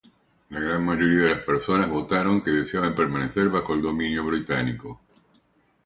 La gran mayoría de las personas votaron que deseaban permanecer bajo el dominio británico.